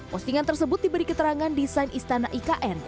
postingan tersebut diberi keterangan desain istana ikn